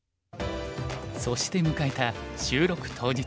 そして迎えた収録当日。